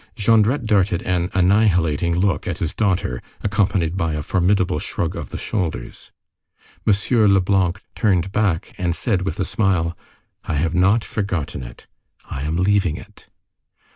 Jondrette darted an annihilating look at his daughter, accompanied by a formidable shrug of the shoulders. M. Leblanc turned back and said, with a smile:— "I have not forgotten it, I am leaving it."